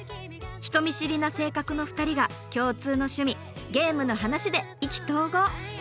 人見知りな性格の２人が共通の趣味ゲームの話で意気投合！